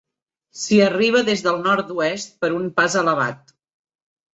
S'hi arriba des del nord-oest per un pas elevat.